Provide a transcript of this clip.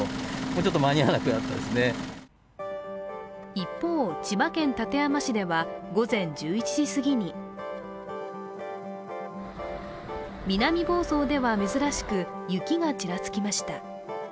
一方、千葉県館山市では午前１１時すぎに南房総では珍しく雪がちらつきました。